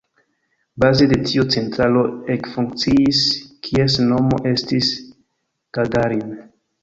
Baze de tio centralo ekfunkciis, kies nomo estis Gagarin.